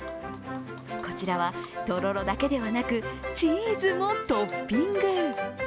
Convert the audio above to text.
こちらは、とろろだけではなく、チーズもトッピング。